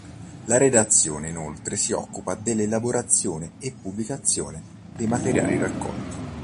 La Redazione, inoltre, si occupa dell’elaborazione e pubblicazione dei materiali raccolti.